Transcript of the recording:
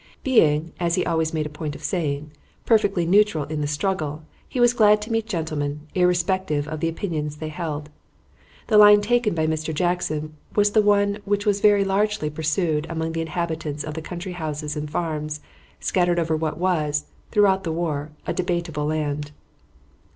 Being, as he always made a point of saying, perfectly neutral in the struggle, he was glad to meet gentlemen, irrespective of the opinions they held. The line taken by Mr. Jackson was the one which was very largely pursued among the inhabitants of the country houses and farms scattered over what was, throughout the war, a debatable land.